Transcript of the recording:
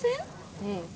うん。